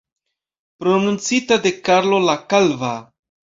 Prononcita de Karlo la Kalva.